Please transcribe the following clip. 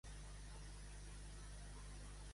La més honrada i la més bona, la que ja és morta.